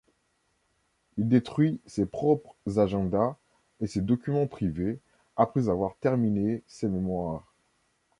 Il détruit ses propres agendas et ses documents privés après avoir terminé ses mémoires.